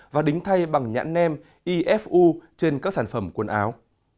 và đính thay bằng nhãn nem ifu trên các sản phẩm quần áo